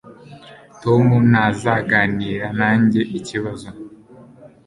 Tom ntazaganira nanjye ikibazo.